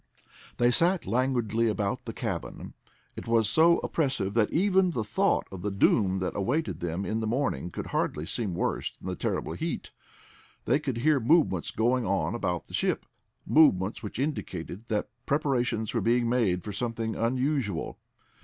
They sat languidly about the cabin. It was so oppressive that even the thought of the doom that awaited them in the morning could hardly seem worse than the terrible heat. They could hear movements going on about the ship, movements which indicated that preparations were being made for something unusual.